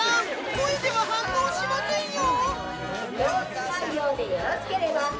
声では反応しませんよ